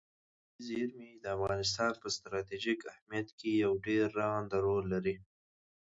طبیعي زیرمې د افغانستان په ستراتیژیک اهمیت کې یو ډېر رغنده رول لري.